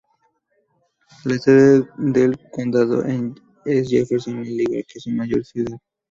La sede del condado es Jefferson, al igual que su mayor ciudad.